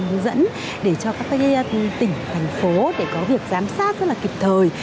hướng dẫn để cho các tỉnh thành phố để có việc giám sát rất là kịp thời